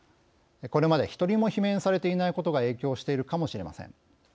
これまで一人も罷免されていないことが影響しているかもしれません。